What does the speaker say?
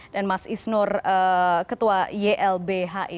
dan mas isnur ketua ylbhi